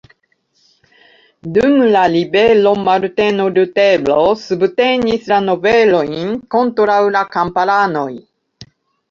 Dum la ribelo Marteno Lutero subtenis la nobelojn kontraŭ la kamparanoj.